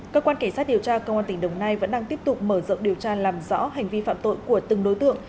cơ quan cảnh sát điều tra công an tỉnh đồng nai vẫn đang tiếp tục mở rộng điều tra làm rõ hành vi phạm tội của từng đối tượng